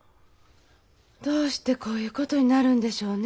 どうしてこういうことになるんでしょうね。